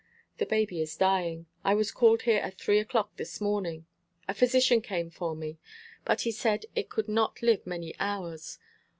The baby is dying. I was called here at three o'clock this morning. A physician came for me, but he said it could not live many hours.